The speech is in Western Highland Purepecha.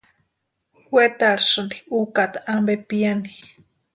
Wetarhisïnti úkata ampe piani.